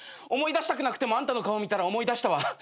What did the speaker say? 思い出したくなくてもあんたの顔見たら思い出したわ。